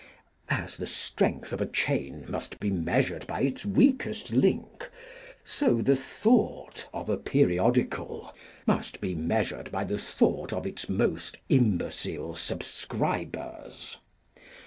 As the strength of a chain must be measured by its weakest link, so the thought of a periodical must be measured by the thought of its most imbecile subscribers.